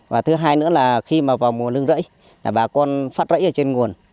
và thứ hai nữa là khi vào mùa nương rẫy bà con phát rẫy ở trên nguồn